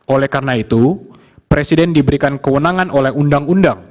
oleh karena itu presiden diberikan kewenangan oleh undang undang